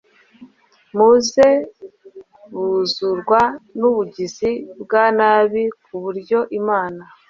maze buzurwa n’ubugizi bwa nabi ku buryo Imana